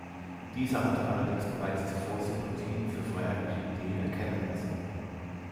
Dieser hatte allerdings bereits zuvor Sympathien für freiheitliche Ideen erkennen lassen.